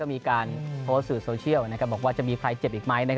ก็มีการโพสต์สื่อโซเชียลบอกว่าจะมีพลายเจ็บอีกไหมนะครับ